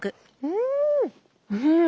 うん！